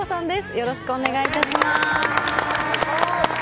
よろしくお願いします。